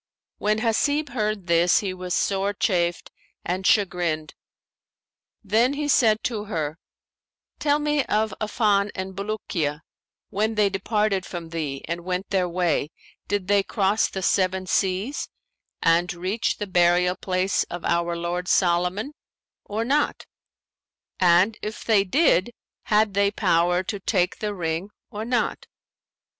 When Hasib heard this, he was sore chafed and chagrined: then he said to her, "Tell me of Affan and Bulukiya; when they departed from thee and went their way, did they cross the Seven Seas and reach the burial place of our lord Solomon or not; and if they did had they power to take the ring or not?"